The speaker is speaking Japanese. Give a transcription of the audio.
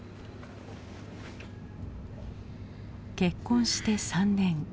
結婚して３年。